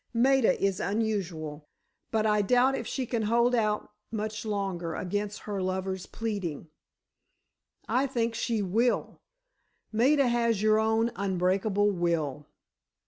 Maida is unusual, but I doubt if she can hold out much longer against her lover's pleading." "I think she will. Maida has your own unbreakable will."